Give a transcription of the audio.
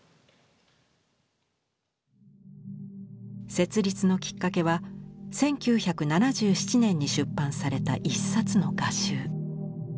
設立のきっかけは１９７７年に出版された一冊の画集。